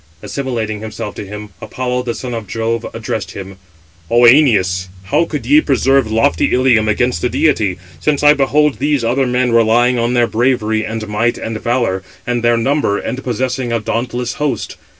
Assimilating himself to him, Apollo, the son of Jove, addressed him: "O Æneas, how could ye preserve lofty Ilium against the deity, since I behold these other men relying on their bravery, and might, and valour, and their number, and possessing a dauntless host?